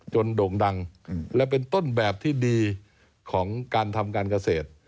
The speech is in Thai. โด่งดังและเป็นต้นแบบที่ดีของการทำการเกษตร